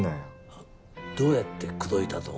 どうやって口説いたと思う？